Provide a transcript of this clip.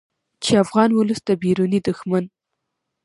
چې افغان ولس د بیروني دښمن